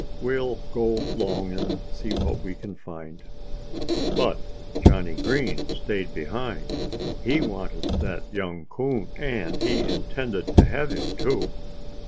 We'll go 'long and see what we can find." But Johnnie Green stayed behind. He wanted that young coon. And he intended to have him, too.